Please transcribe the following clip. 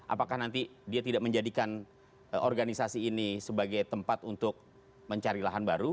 apakah nanti dia tidak menjadikan organisasi ini sebagai tempat untuk mencari lahan baru